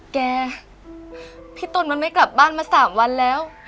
แกพี่ต้นมันไม่กลับบ้านมาสามวันแล้ว